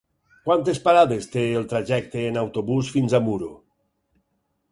Quantes parades té el trajecte en autobús fins a Muro?